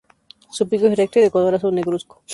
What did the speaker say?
Su pico es recto y de color azul negruzco.